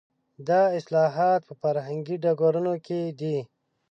دا اصلاحات په فرهنګي ډګرونو کې دي.